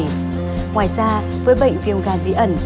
ngoài ra với bệnh viêm gan bí ẩn